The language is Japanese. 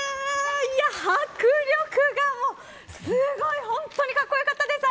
いや、迫力がもうすごい本当にかっこよかったです。